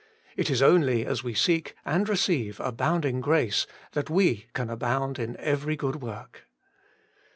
It is only as we seek and receive abounding grace that we can abound in every good work.